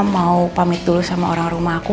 mau pamit dulu sama orang rumah aku